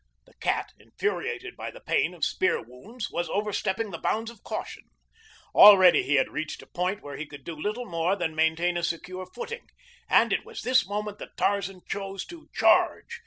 The cat, infuriated by the pain of spear wounds, was overstepping the bounds of caution. Already he had reached a point where he could do little more than maintain a secure footing, and it was this moment that Tarzan chose to charge.